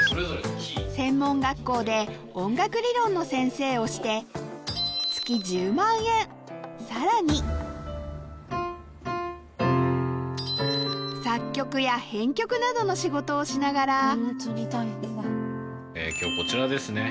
専門学校で音楽理論の先生をして月１０万円さらに作曲や編曲などの仕事をしながら今日こちらですね。